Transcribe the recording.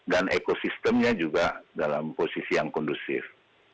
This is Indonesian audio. dan ekosistemnya juga dalam posisi yang kondusif